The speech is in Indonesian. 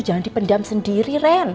jangan dipendam sendiri ren